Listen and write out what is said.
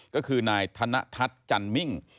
ก็คือนายธนทัศน์จันมิ่ง